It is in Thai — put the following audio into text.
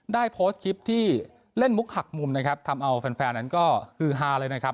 ได้โพสต์คลิปที่เล่นมุกหักมุมนะครับทำเอาแฟนแฟนนั้นก็ฮือฮาเลยนะครับ